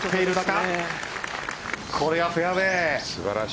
これがフェアウエー。